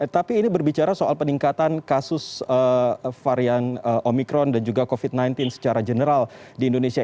tapi ini berbicara soal peningkatan kasus varian omikron dan juga covid sembilan belas secara general di indonesia